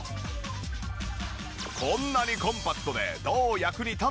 こんなにコンパクトでどう役に立つのか？